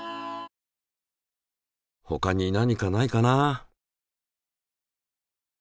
ほかに何かないかな？